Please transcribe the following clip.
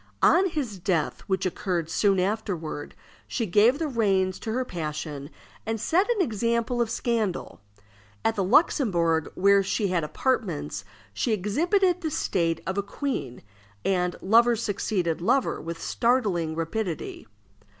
On his death, which occurred soon afterward, she gave the reins to her passion, and set an example of scandal. At the Luxembourg, where she had apartments, she exhibited the state of a queen, and lover succeeded lover with startling rapidity.